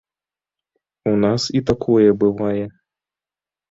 У нас і такое бывае.